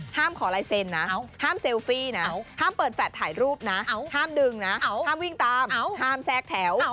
ขอลายเซ็นนะห้ามเซลฟี่นะห้ามเปิดแฟลตถ่ายรูปนะห้ามดึงนะห้ามวิ่งตามห้ามแทรกแถว